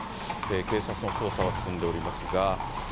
警察の捜査は進んでおりますが。